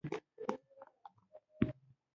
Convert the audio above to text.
وروسته هغه بېرته په ارام ږغ وويل.